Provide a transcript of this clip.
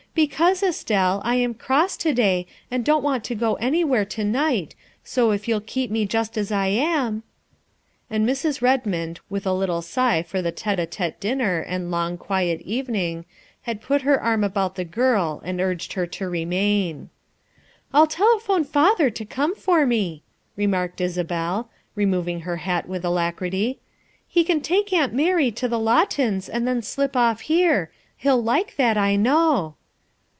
" Because, Estelle, I am cross to day and don't want to go anywhere to night, so if you'll keep me just as I am And Mrs. Redmond, with a little sigh for the tete a tete dinner and long, quiet evening, had put her arm about the girl and urged her to remain. " I'll telephone to father to come for me," remarked Isabel, removing her hat with alacrity. " He can take 328 THE WIFE OF Aunt Mary to the Lawtons and then slip off here ; he '11 like that, I know."